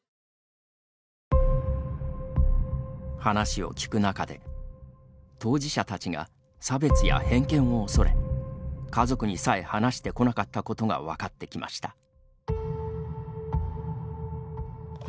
話を聞く中で当事者たちが差別や偏見を恐れ家族にさえ話してこなかったことが分かってきました。